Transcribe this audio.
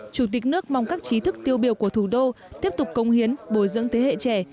chủ tịch nước mong các trí thức tiêu biểu của thủ đô tiếp tục công hiến bồi dưỡng thế hệ trẻ